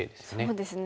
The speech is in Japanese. そうですね